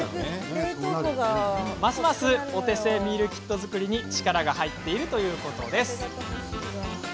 ますますお手製ミールキット作りに力が入っているとのことです。